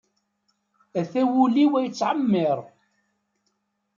Ata wul-iw ad yettɛemmiṛ.